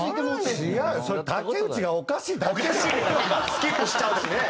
スキップしちゃうしね。